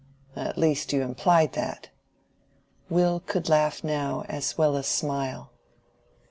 At least, you implied that." Will could laugh now as well as smile.